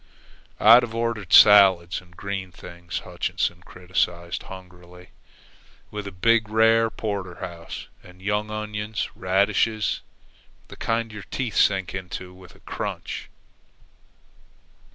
"I'd have ordered salads and green things," Hutchinson criticized hungrily, "with a big, rare, Porterhouse, and young onions and radishes, the kind your teeth sink into with a crunch."